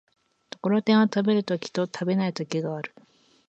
ところてんを食べる時と食べない時がある。